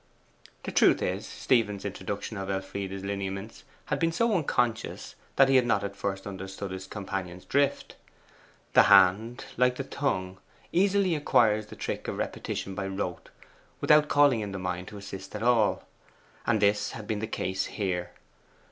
The truth is, Stephen's introduction of Elfride's lineaments had been so unconscious that he had not at first understood his companion's drift. The hand, like the tongue, easily acquires the trick of repetition by rote, without calling in the mind to assist at all; and this had been the case here.